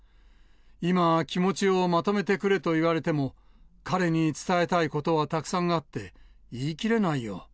今、気持ちをまとめてくれと言われても、彼に伝えたいことはたくさんあって、言いきれないよ。